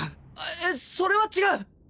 えっそれは違う！